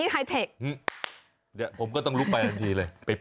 ห่า